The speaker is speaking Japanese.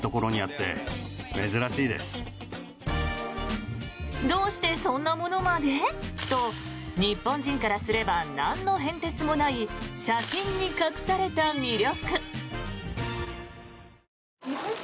カーブミラー？どうしてそんなものまで？と日本人からすればなんの変哲もない写真に隠された魅力。